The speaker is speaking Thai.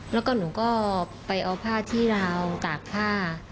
แล้วก็หนูก็ไปเอาผ้าที่ราวตากผ้า